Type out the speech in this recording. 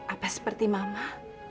apa seperti mama